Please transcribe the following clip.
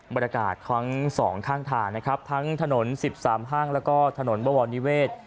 บรรยากาศทั้งสองข้างทางนะครับทั้งถนน๑๓ห้างแล้วก็ถนนบวรนิเวศ